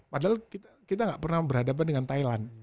padahal kita gak pernah beradaban dengan thailand